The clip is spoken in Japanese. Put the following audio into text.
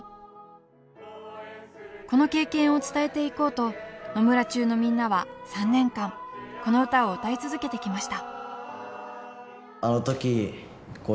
この経験を伝えていこうと野村中のみんなは３年間この歌を歌い続けてきました。